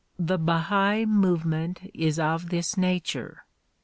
The Bahai movement is of this nature.